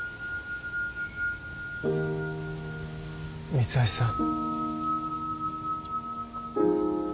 三橋さん。